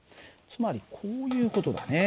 つまりこういう事だね。